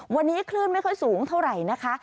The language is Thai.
วันนี้คลื่นไม่ค่อยสูงเท่าไหร่นะคะ